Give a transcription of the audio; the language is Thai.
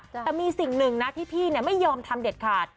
แต่มีสิ่งหนึ่งนะที่พี่ไม่ยอมทำเด็ดขาด